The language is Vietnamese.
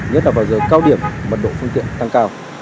nhất là vào giờ cao điểm mật độ phương tiện tăng cao